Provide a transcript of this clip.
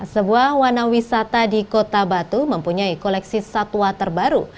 sebuah wanawisata di kota batu mempunyai koleksi satwa terbaru